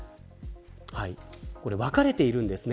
分かれているんですね。